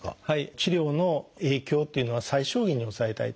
治療の影響っていうのは最小限に抑えたいと。